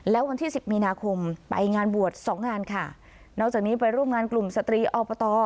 แล้ววันที่สิบมีนาคมไปงานบวชสองงานค่ะนอกจากนี้ไปร่วมงานกลุ่มสตรีอบต